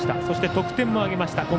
そして得点も挙げました。